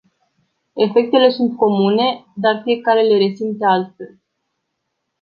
Efectele sunt comune, dar fiecare le resimte altfel.